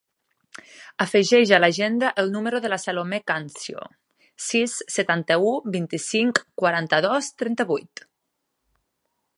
Afegeix a l'agenda el número de la Salomé Cancio: sis, setanta-u, vint-i-cinc, quaranta-dos, trenta-vuit.